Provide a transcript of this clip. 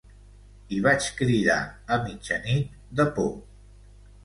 I vaig cridar a mitjanit, de por.